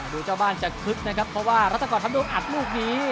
ดูเจ้าบ้านจะคึกนะครับเพราะว่ารัฐกรทำวงอัดลูกนี้